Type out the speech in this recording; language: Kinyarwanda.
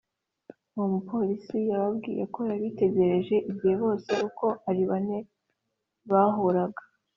Uwo mupolisi yababwiye ko yabitegereje igihe bose uko ari bane bahuraga